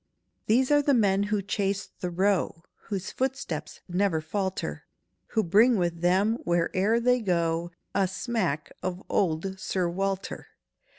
"These are the men who chase the roe, Whose footsteps never falter, Who bring with them, where'er they go, A smack of old SIR WALTER.